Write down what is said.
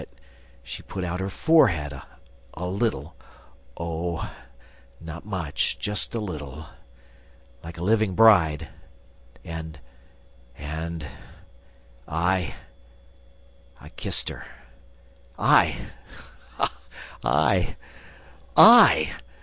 that she put out her forehead ... a little ... oh, not much ... just a little ... like a living bride ... And ... and ... I ... kissed her! ... I! ... I! ... I!